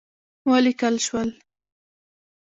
وليکل شول: